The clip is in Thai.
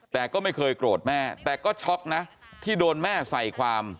แต่ก็ไม่เคยโกรธแม่แต่ก็ช็อกนะที่โดนแม่ใส่ความ